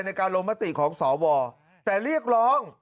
ในการลงมติของสวแต่เรียกร้อง